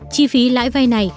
chi phí lãi vai này